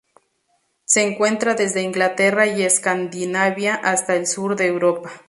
Se encuentra desde Inglaterra y Escandinavia hasta el sur de Europa.